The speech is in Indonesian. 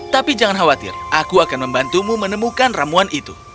tapi jangan khawatir aku akan membantumu menemukan ramuan itu